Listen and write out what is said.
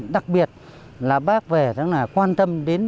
đặc biệt là bác về rất là quan tâm